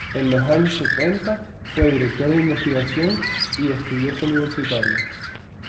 En los años setenta fue director de investigación y estudioso universitario.